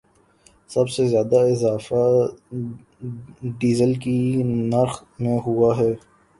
سب سے زیادہ اضافہ ڈیزل کے نرخ میں ہوا ہے